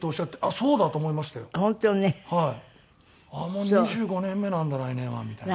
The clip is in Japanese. もう２５年目なんだ来年はみたいな。